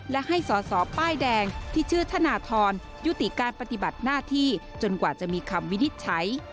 และให้สอสอป้ายแดงที่ชื่อธนทรยุติการปฏิบัติหน้าที่จนกว่าจะมีคำวินิจฉัย